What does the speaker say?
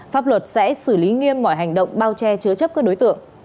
pháp luật sẽ xử lý nghiêm mọi hành động bao che chứa chấp các đối tượng